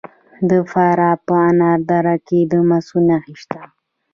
د فراه په انار دره کې د مسو نښې شته.